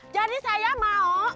jadi saya mau